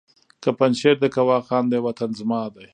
که پنجشېر دی که واخان دی وطن زما دی